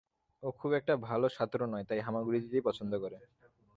ও খুব একটা ভালো সাঁতারু নয়, তাই হামাগুড়ি দিতেই পছন্দ করে।